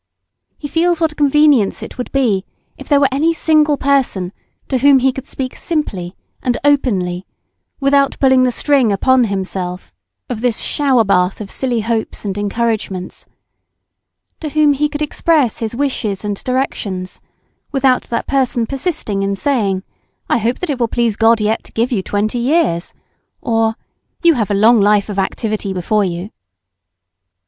He feels what a convenience it would be, if there were any single person to whom he could speak simply and openly, without pulling the string upon himself of this shower bath of silly hopes and encouragements; to whom he could express his wishes and directions without that person persisting in saying, "I hope that it will please God yet to give you twenty years," or, "You have a long life of activity before you."